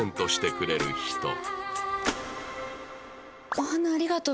お花ありがとう。